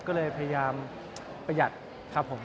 ก็เลยพยายามประหยัดครับผม